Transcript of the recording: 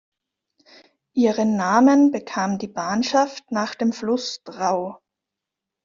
Ihren Namen bekam die Banschaft nach dem Fluss Drau.